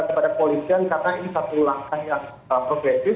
kepada polisian karena ini satu langkah yang progresif